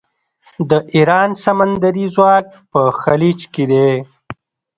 د ایران سمندري ځواک په خلیج کې دی.